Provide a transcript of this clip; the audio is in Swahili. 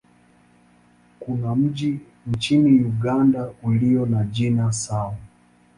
Kuna mji nchini Uganda ulio na jina sawa.